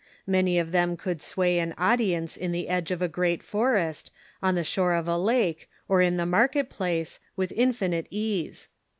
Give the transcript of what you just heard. Many of them could sway an audience in the edge of a great forest, on the shore of a lake, or in a market place, with infinite ease.